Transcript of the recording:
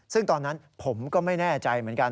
ซึ่งตอนนั้นผมก็ไม่แน่ใจเหมือนกัน